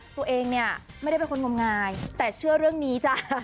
ตัวเองเนี่ยไม่ได้เป็นคนงมงายแต่เชื่อเรื่องนี้จ้ะ